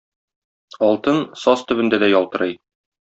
Алтын саз төбендә дә ялтырый.